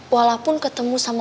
walaupun ketemu sama